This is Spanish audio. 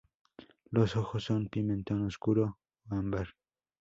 Los ojos son pimentón oscuro o ámbar.